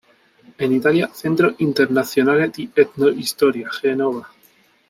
En Italia: Centro Internazionale di Etnohistoria, Genova.